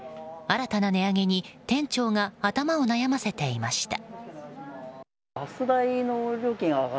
新たな値上げに店長が頭を悩ませていました。